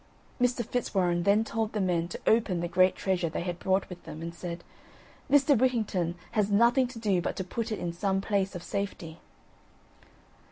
Mr. Fitzwarren then told the men to open the great treasure they had brought with them; and said: "Mr. Whittington has nothing to do but to put it in some place of safety."